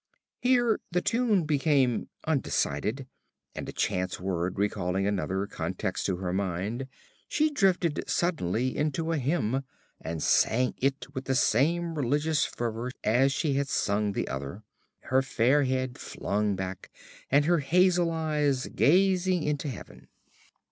Here the tune became undecided; and, a chance word recalling another context to her mind, she drifted suddenly into a hymn, and sang it with the same religious fervour as she had sung the other, her fair head flung back, and her hazel eyes gazing into Heaven....